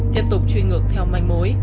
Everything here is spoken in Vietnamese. tiếp tục chuyên ngược theo manh mối